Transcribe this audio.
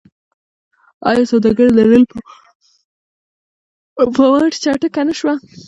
آیا سوداګري د ریل په مټ چټکه نشوه؟